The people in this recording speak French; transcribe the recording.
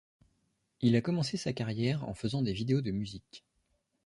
Il a commencé sa carrière en faisant des vidéos de musique.